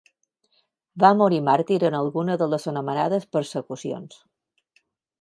Va morir màrtir en alguna de les anomenades persecucions.